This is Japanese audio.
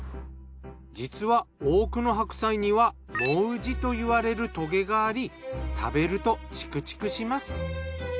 実は多くの白菜には毛茸と言われるトゲがあり食べるとチクチクします。